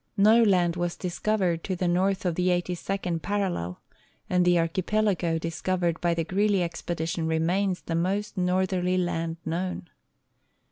No land was discovered to the north of the eighty second parallel, and the archipelago discovered by the Greely expedi tion remains the most northerly land known.